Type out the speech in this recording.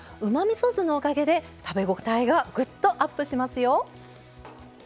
みそ酢のおかげで食べ応えがグッとアップしますよ。